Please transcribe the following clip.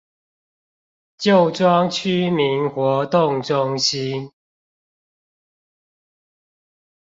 舊莊區民活動中心